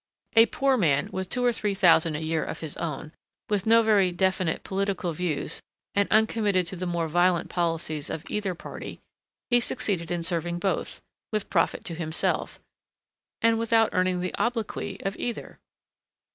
A poor man, with two or three thousand a year of his own, with no very definite political views and uncommitted to the more violent policies of either party, he succeeded in serving both, with profit to himself, and without earning the obloquy of either.